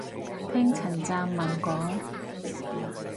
聽陳湛文講